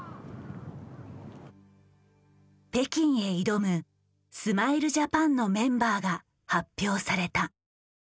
北京へ挑むスマイルジャパンのメンバーが発表された。